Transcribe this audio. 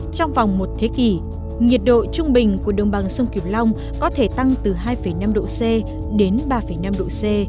trong vòng một thế kỷ nhiệt độ trung bình của đồng bằng sông kiều long có thể tăng từ hai năm độ c đến ba năm độ c